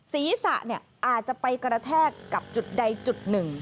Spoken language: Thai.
ศีรษะอาจจะไปกระแทกกับจุดใดจุดหนึ่ง